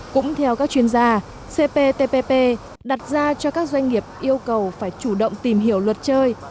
cũng theo các chuyên gia cptpp đặt ra cho các doanh nghiệp yêu cầu phải chủ động tìm hiểu luật chơi